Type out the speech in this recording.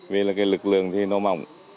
vì là cái lực lượng thì nó mỏng